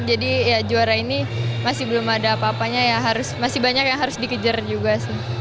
jadi juara ini masih belum ada apa apanya masih banyak yang harus dikejar juga sih